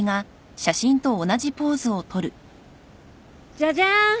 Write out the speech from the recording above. ジャジャン！